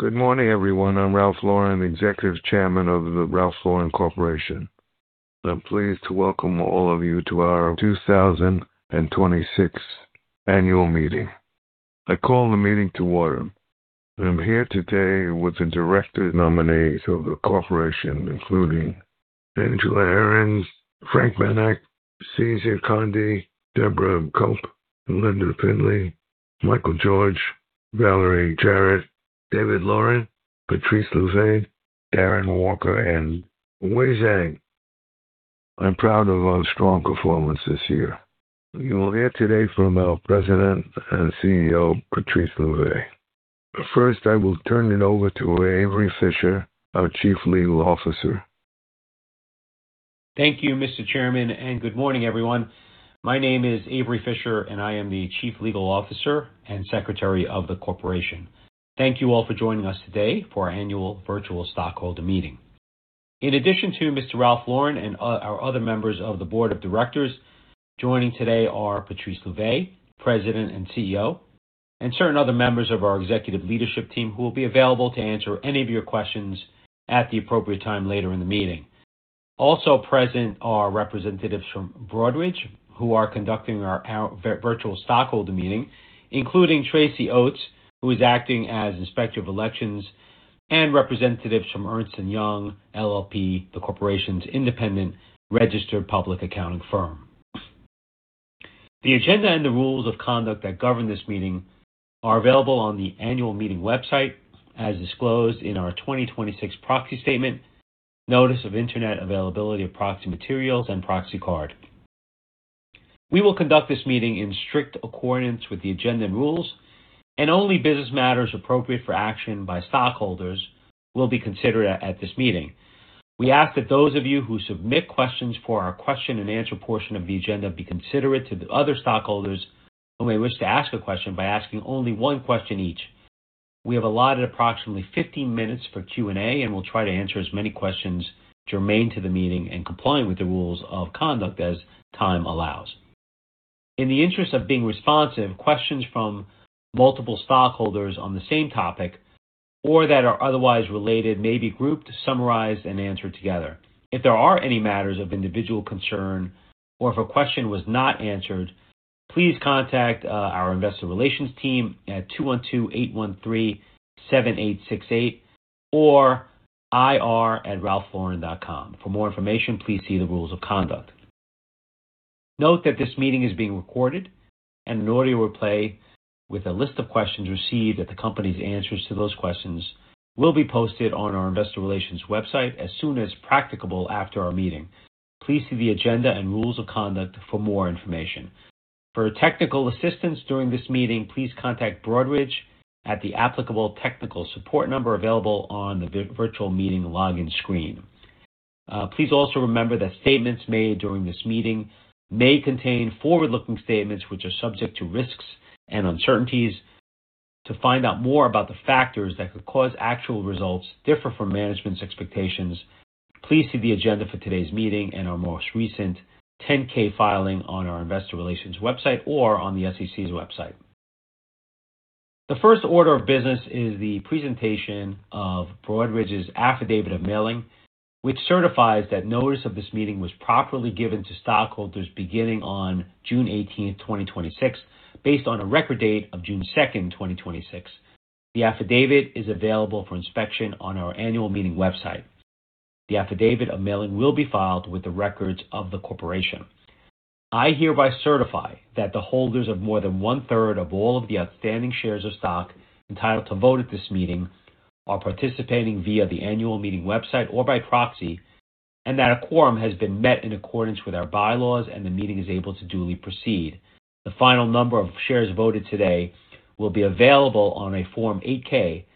Good morning, everyone. I'm Ralph Lauren, the Executive Chairman of the Ralph Lauren Corporation. I'm pleased to welcome all of you to our 2026 annual meeting. I call the meeting to order. I'm here today with the director nominees of the corporation, including Angela Ahrendts, Frank Bennack, Cesar Conde, Debra Cupp, Linda Findley, Michael George, Valerie Jarrett, David Lauren, Patrice Louvet, Darren Walker, and Wei Zhang. I'm proud of our strong performance this year. You will hear today from our President and CEO, Patrice Louvet. First, I will turn it over to Avery Fischer, our Chief Legal Officer. Thank you, Mr. Chairman. Good morning, everyone. My name is Avery Fischer, and I am the Chief Legal Officer and Secretary of the corporation. Thank you all for joining us today for our annual virtual stockholder meeting. In addition to Mr. Ralph Lauren and our other members of the board of directors, joining today are Patrice Louvet, President and CEO, and certain other members of our executive leadership team who will be available to answer any of your questions at the appropriate time later in the meeting. Also present are representatives from Broadridge, who are conducting our virtual stockholder meeting, including Tracy Oates, who is acting as Inspector of Elections, and representatives from Ernst & Young LLP, the corporation's independent registered public accounting firm. The agenda and the rules of conduct that govern this meeting are available on the annual meeting website as disclosed in our 2026 proxy statement, notice of Internet availability of proxy materials and proxy card. We will conduct this meeting in strict accordance with the agenda and rules. Only business matters appropriate for action by stockholders will be considered at this meeting. We ask that those of you who submit questions for our question-and-answer portion of the agenda be considerate to the other stockholders who may wish to ask a question by asking only one question each. We have allotted approximately 15 minutes for Q&A and will try to answer as many questions germane to the meeting and compliant with the rules of conduct as time allows. In the interest of being responsive, questions from multiple stockholders on the same topic or that are otherwise related may be grouped, summarized, and answered together. If there are any matters of individual concern or if a question was not answered, please contact our investor relations team at 212-813-7868 or ir@ralphlauren.com. For more information, please see the rules of conduct. Note that this meeting is being recorded and an audio replay with a list of questions received and the company's answers to those questions will be posted on our investor relations website as soon as practicable after our meeting. Please see the agenda and rules of conduct for more information. For technical assistance during this meeting, please contact Broadridge at the applicable technical support number available on the virtual meeting login screen. Please also remember that statements made during this meeting may contain forward-looking statements which are subject to risks and uncertainties. To find out more about the factors that could cause actual results to differ from management's expectations, please see the agenda for today's meeting and our most recent 10-K filing on our investor relations website or on the SEC's website. The first order of business is the presentation of Broadridge's affidavit of mailing, which certifies that notice of this meeting was properly given to stockholders beginning on June 18th, 2026, based on a record date of June 2nd, 2026. The affidavit is available for inspection on our annual meeting website. The affidavit of mailing will be filed with the records of the corporation. I hereby certify that the holders of more than one-third of all of the outstanding shares of stock entitled to vote at this meeting are participating via the annual meeting website or by proxy, and that a quorum has been met in accordance with our bylaws and the meeting is able to duly proceed. The final number of shares voted today will be available on a Form 8-K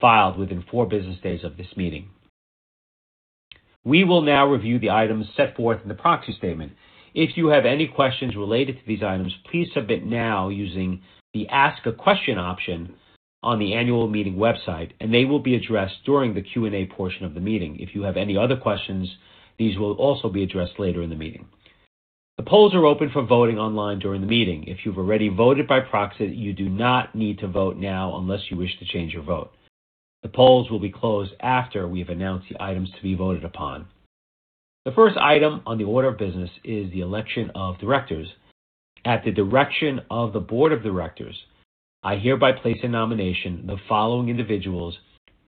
filed within four business days of this meeting. We will now review the items set forth in the proxy statement. If you have any questions related to these items, please submit now using the Ask a Question option on the annual meeting website, and they will be addressed during the Q&A portion of the meeting. If you have any other questions, these will also be addressed later in the meeting. The polls are open for voting online during the meeting. If you've already voted by proxy, you do not need to vote now unless you wish to change your vote. The polls will be closed after we have announced the items to be voted upon. The first item on the order of business is the election of directors. At the direction of the board of directors, I hereby place in nomination the following individuals,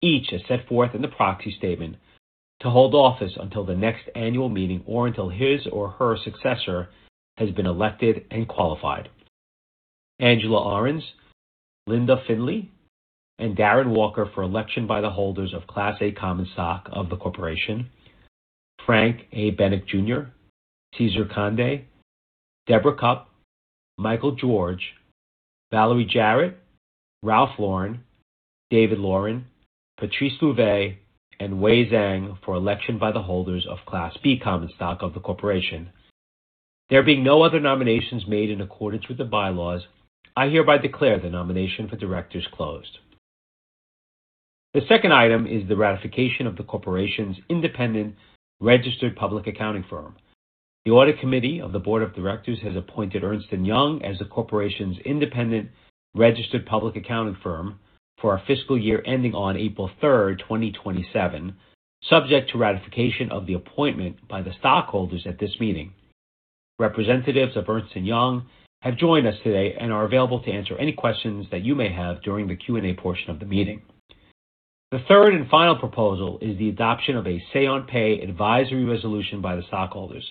each as set forth in the proxy statement, to hold office until the next annual meeting or until his or her successor has been elected and qualified. Angela Ahrendts, Linda Findley, and Darren Walker for election by the holders of Class A common stock of the corporation. Frank A. Bennack Jr., Cesar Conde, Debra Cupp, Michael George, Valerie Jarrett, Ralph Lauren, David Lauren, Patrice Louvet, and Wei Zhang for election by the holders of Class B common stock of the corporation. There being no other nominations made in accordance with the bylaws, I hereby declare the nomination for directors closed. The second item is the ratification of the corporation's independent registered public accounting firm. The audit committee of the board of directors has appointed Ernst & Young as the corporation's independent registered public accounting firm for our fiscal year ending on April 3rd, 2027, subject to ratification of the appointment by the stockholders at this meeting. Representatives of Ernst & Young have joined us today and are available to answer any questions that you may have during the Q&A portion of the meeting. The third and final proposal is the adoption of a say-on-pay advisory resolution by the stockholders.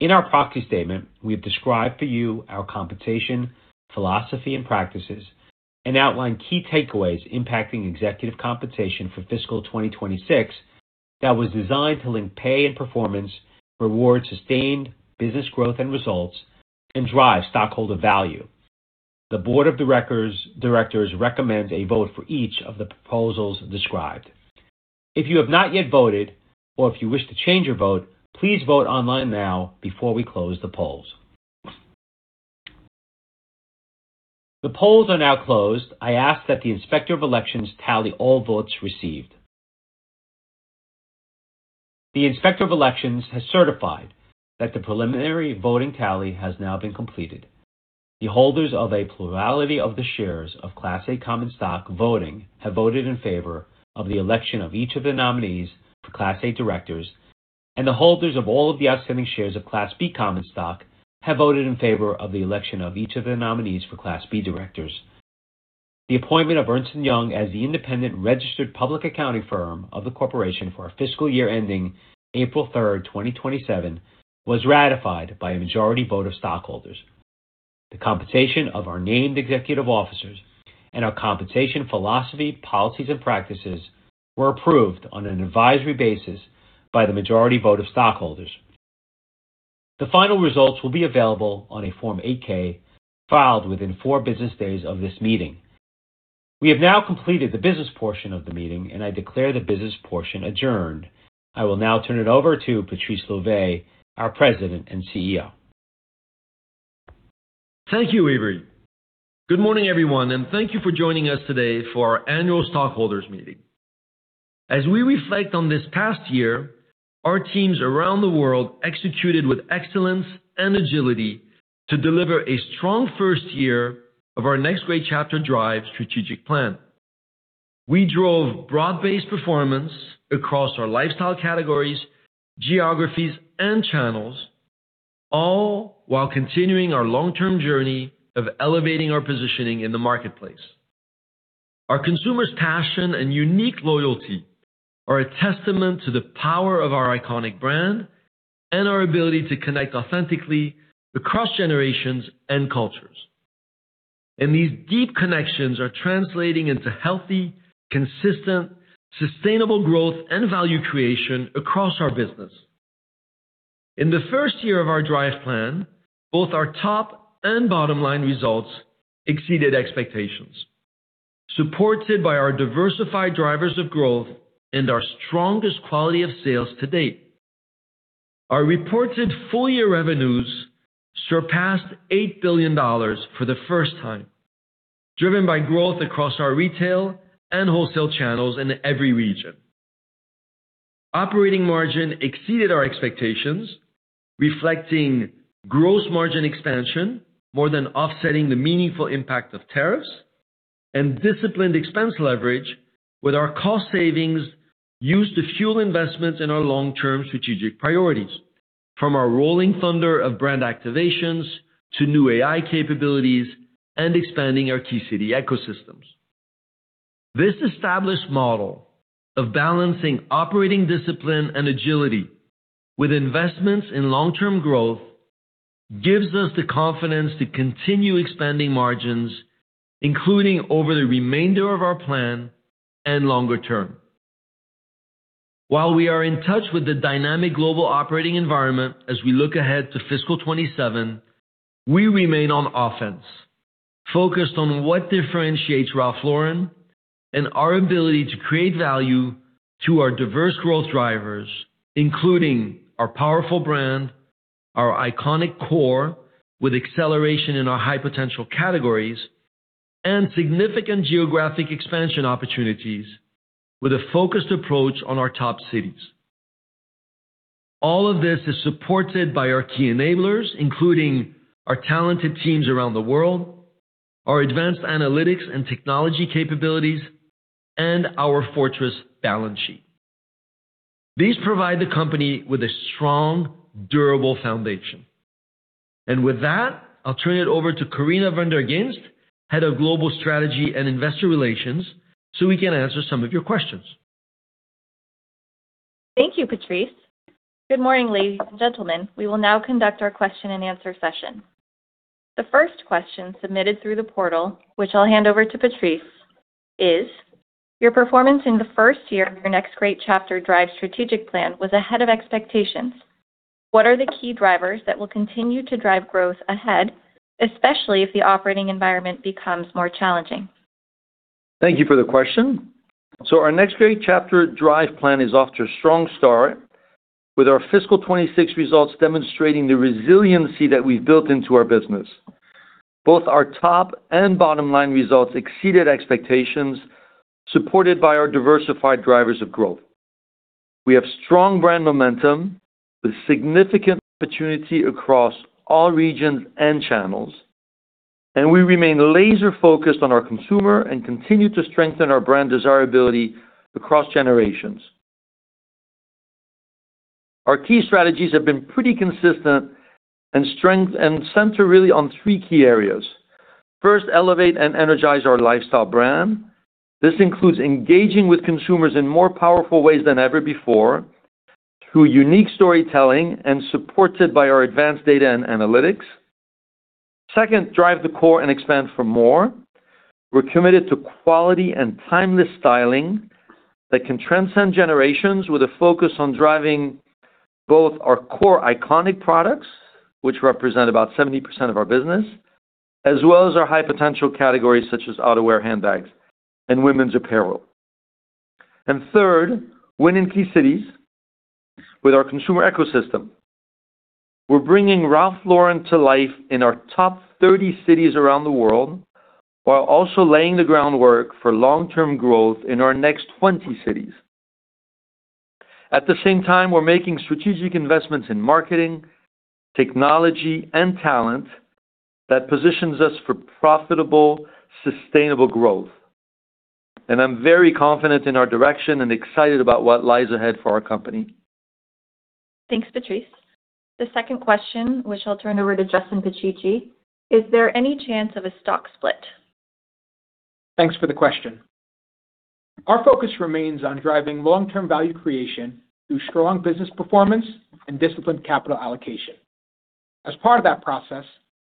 In our proxy statement, we have described for you our compensation philosophy and practices, and outlined key takeaways impacting executive compensation for fiscal 2026 that was designed to link pay and performance, reward sustained business growth and results, and drive stockholder value. The Board of Directors recommend a vote for each of the proposals described. If you have not yet voted or if you wish to change your vote, please vote online now before we close the polls. The polls are now closed. I ask that the Inspector of Elections tally all votes received. The Inspector of Elections has certified that the preliminary voting tally has now been completed. The holders of a plurality of the shares of Class A common stock voting have voted in favor of the election of each of the nominees for Class A directors, and the holders of all of the outstanding shares of Class B common stock have voted in favor of the election of each of the nominees for Class B directors. The appointment of Ernst & Young as the independent registered public accounting firm of the corporation for our fiscal year ending April 3rd, 2027 was ratified by a majority vote of stockholders. The compensation of our named executive officers and our compensation philosophy, policies, and practices were approved on an advisory basis by the majority vote of stockholders. The final results will be available on a Form 8-K filed within four business days of this meeting. We have now completed the business portion of the meeting, and I declare the business portion adjourned. I will now turn it over to Patrice Louvet, our President and CEO. Thank you, Avery. Good morning, everyone, and thank you for joining us today for our annual stockholders meeting. As we reflect on this past year, our teams around the world executed with excellence and agility to deliver a strong first year of our Next Great Chapter: Drive strategic plan. We drove broad-based performance across our lifestyle categories, geographies, and channels, all while continuing our long-term journey of elevating our positioning in the marketplace. Our consumers' passion and unique loyalty are a testament to the power of our iconic brand and our ability to connect authentically across generations and cultures. These deep connections are translating into healthy, consistent, sustainable growth and value creation across our business. In the first year of our Drive plan, both our top and bottom-line results exceeded expectations, supported by our diversified drivers of growth and our strongest quality of sales to date. Our reported full-year revenues surpassed $8 billion for the first time, driven by growth across our retail and wholesale channels in every region. Operating margin exceeded our expectations, reflecting gross margin expansion more than offsetting the meaningful impact of tariffs and disciplined expense leverage with our cost savings used to fuel investments in our long-term strategic priorities, from our rolling thunder of brand activations to new AI capabilities and expanding our key city ecosystems. This established model of balancing operating discipline and agility with investments in long-term growth gives us the confidence to continue expanding margins, including over the remainder of our plan and longer term. While we are in touch with the dynamic global operating environment as we look ahead to fiscal 2027, we remain on offense, focused on what differentiates Ralph Lauren and our ability to create value to our diverse growth drivers, including our powerful brand, our iconic core with acceleration in our high-potential categories, and significant geographic expansion opportunities with a focused approach on our top cities. All of this is supported by our key enablers, including our talented teams around the world, our advanced analytics and technology capabilities, and our fortress balance sheet. These provide the company with a strong, durable foundation. With that, I'll turn it over to Corinna Van der Ghinst, Head of Global Strategy and Investor Relations, so we can answer some of your questions. Thank you, Patrice. Good morning, ladies and gentlemen. We will now conduct our question-and-answer session. The first question submitted through the portal, which I'll hand over to Patrice, is, "Your performance in the first year of your Next Great Chapter: Drive strategic plan was ahead of expectations. What are the key drivers that will continue to drive growth ahead, especially if the operating environment becomes more challenging? Thank you for the question. Our Next Great Chapter: Drive plan is off to a strong start with our fiscal 2026 results demonstrating the resiliency that we've built into our business. Both our top and bottom line results exceeded expectations, supported by our diversified drivers of growth. We have strong brand momentum with significant opportunity across all regions and channels, and we remain laser-focused on our consumer and continue to strengthen our brand desirability across generations. Our key strategies have been pretty consistent and center really on three key areas. First, elevate and energize our lifestyle brand. This includes engaging with consumers in more powerful ways than ever before, through unique storytelling and supported by our advanced data and analytics. Second, drive the core and expand for more. We're committed to quality and timeless styling that can transcend generations with a focus on driving both our core iconic products, which represent about 70% of our business, as well as our high-potential categories such as outerwear, handbags, and women's apparel. Third, win in key cities with our consumer ecosystem. We're bringing Ralph Lauren to life in our top 30 cities around the world, while also laying the groundwork for long-term growth in our next 20 cities. At the same time, we're making strategic investments in marketing, technology, and talent that positions us for profitable, sustainable growth. I'm very confident in our direction and excited about what lies ahead for our company. Thanks, Patrice. The second question, which I'll turn over to Justin Picicci, is there any chance of a stock split? Thanks for the question. Our focus remains on driving long-term value creation through strong business performance and disciplined capital allocation. As part of that process,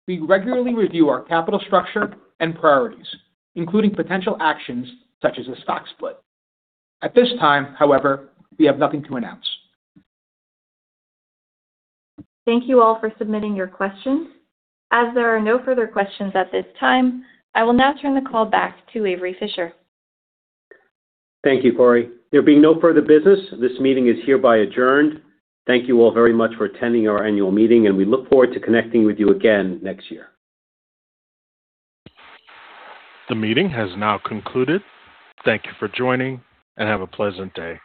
we regularly review our capital structure and priorities, including potential actions such as a stock split. At this time, however, we have nothing to announce. Thank you all for submitting your questions. As there are no further questions at this time, I will now turn the call back to Avery Fischer. Thank you, Cori. There being no further business, this meeting is hereby adjourned. Thank you all very much for attending our annual meeting, and we look forward to connecting with you again next year. The meeting has now concluded. Thank you for joining, and have a pleasant day.